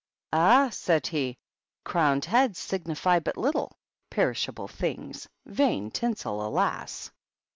"Ah!" said he, "crowned heads signify but little! Perishable things ! Vain tinsel, alas